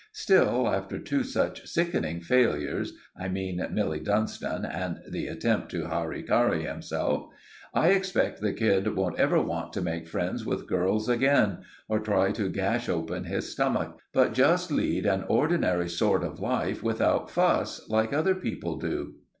Still, after two such sickening failures—I mean Milly Dunstan, and the attempt to hari kari himself—I expect the kid won't ever want to make friends with girls again, or try to gash open his stomach, but just lead an ordinary sort of life without fuss, like other people do.